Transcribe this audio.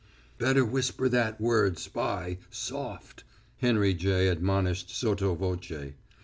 "Better whisper that word 'spy' soft," Henry J. admonished sotto voce.